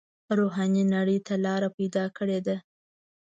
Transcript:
روحاني نړۍ ته لاره پیدا کړې ده.